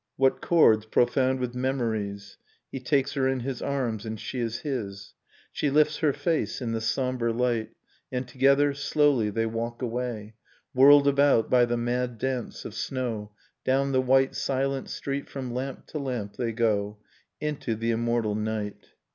i What chords profound with memories? 1 He takes her in his arms, and she is his. She lifts her face in the sombre light, And together, slowly, they walk away j Whirled about by the mad dance of snow; | Down the white silent street from lamp to lamp \ they go, i White Nocturne Into the immortal night.